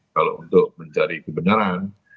kalau untuk mencari kebenaran